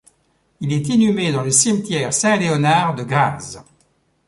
Il est inhumé dans le cimetière St-Leonhard de Graz.